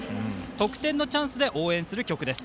得点のチャンスで応援する曲です。